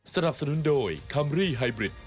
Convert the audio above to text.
สนับสนุนโดยคัมรี่ไฮบริด